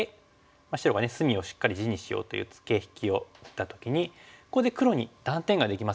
白が隅をしっかり地にしようというツケ引きを打った時にここで黒に断点ができますよね。